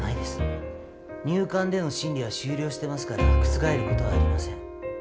入管での審理は終了してますから覆ることはありません。